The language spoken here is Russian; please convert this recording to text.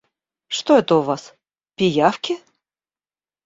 Что это у вас, пиявки?